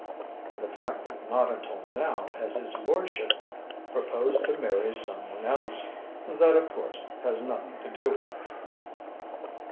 "And the fact that not until now has his lordship proposed to marry some one else that of course has nothing to do with it?"